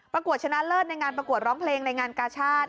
ประกวดชนะเลิศในงานประกวดร้องเพลงในงานกาชาติ